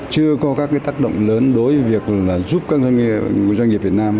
chưa có các tác động lớn đối với việc giúp các doanh nghiệp việt nam